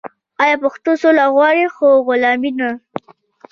آیا پښتون سوله غواړي خو غلامي نه؟